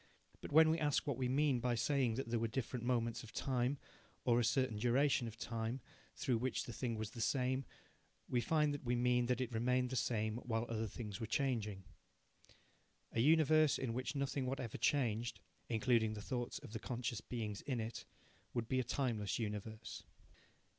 But when we ask what we mean by saying that there were different moments of time, or a certain duration of time, through which the thing was the same, we find that we mean that it remained the same while other things were changing. A universe in which nothing whatever changed (including the thoughts of the conscious beings in it) would be a timeless universe.